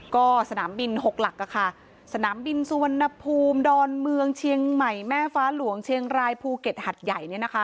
ก็สนามบิน๖หลักสนามบินสุวรรณภูมิดอนเมืองเชียงใหม่แม่ฟ้าหลวงเชียงรายภูเก็ตหัดใหญ่